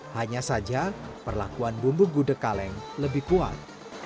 hanya saja perlakuan bumbu gudeg kaleng lebih kuat